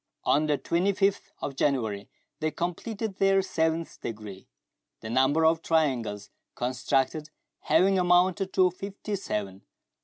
On the 25th of January they completed their seventh degree, the number of triangles constructed having amounted to fifty seven.